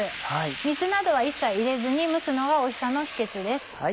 水などは一切入れずに蒸すのがおいしさの秘訣です。